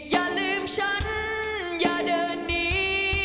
อย่าลืมฉันอย่าเดินหนี